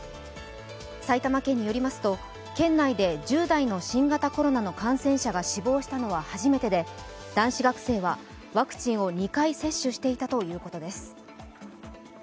埼玉県によりますと、県内で１０代の新型コロナの感染者が死亡したのは初めてで男子学生はワクチンを２回接種していたということです。